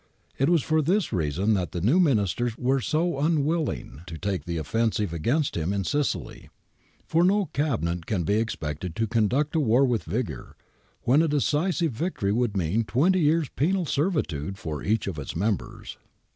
It was for this reason that the new Ministers were so unwilling to take the offensive against him in Sicily. For no Cabinet can be expected to conduct a war with vigour, when a decisive victory would mean twenty years' penal servitude for each of its members.